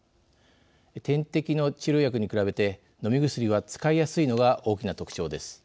点滴の治療薬に比べて飲み薬は使いやすいのが大きな特徴です。